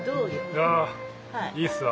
いやいいっすわ。